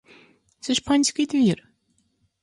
Це ж панський двір!